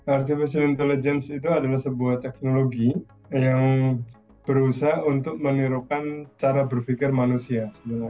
artificial intelligence itu adalah sebuah teknologi yang berusaha untuk menirukan cara berpikir manusia